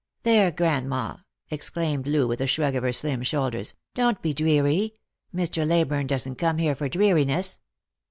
" There, grandma," exclaimed Loo, with a shrug of her slim shoulders, " don't be dreary ; Mr. Leyburne doesn't come here for dreariness."